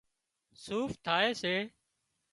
صوف ٿائي سي